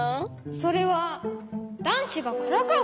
それはだんしがからかうから。